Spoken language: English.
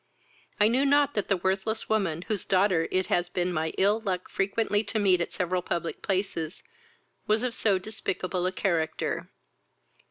I knew not that the worthless woman, whose daughter it has been my ill luck frequently to meet at several public places, was of so despicable a character.